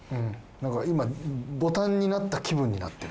なんか今ボタンになった気分になってる。